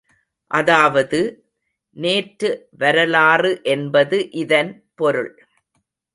அதாவது, நேற்று வரலாறு என்பது இதன் பொருள்.